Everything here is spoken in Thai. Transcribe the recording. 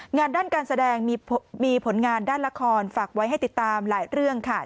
งานด้านการแสดงมีผลงานด้านละครฝากไว้ให้ติดตามหลายเรื่องค่ะ